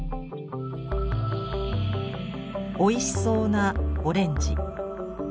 おいしそうなオレンジ。